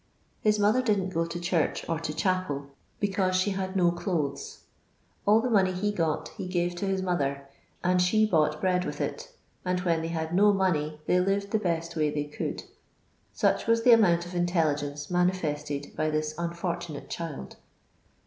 His mother didn't go to church or to chapel, because she had no clothes. All the money he got he gave to hit mother, and she bought bread with it, and when they had no money they lived the best way they could. Such was the amount of intelligence manifeated by this unfi>rtnnate child.